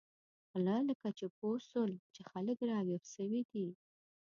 غله لکه چې پوه شول چې خلک را وېښ شوي دي.